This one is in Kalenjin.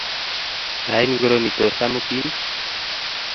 Sait ngiro netos amutin?